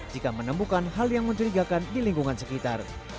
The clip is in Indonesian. jika menemukan hal yang mencurigakan di lingkungan sekitar